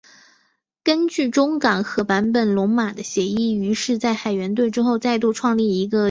根据中冈和坂本龙马的协议于是在海援队之后再度创立一个与之相互支援的组织。